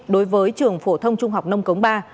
đối với trường phổ thông trung học nông cống ba